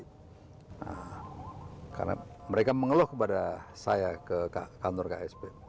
nah karena mereka mengeluh kepada saya ke kantor ksp